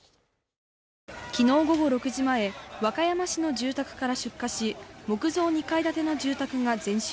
昨日午後６時前、和歌山市の住宅から出火し木造２階建ての住宅が全焼。